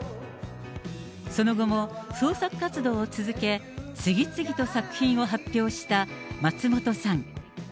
その後も創作活動を続け、次々と作品を発表した松本さん。